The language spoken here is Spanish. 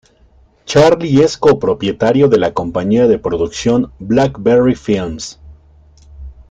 Charlie es co-propietario de la compañía de producción "Blackberry Films".